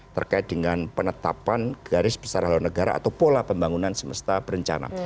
terkait dengan penetapan garis besar haluan negara atau pola pembangunan semesta berencana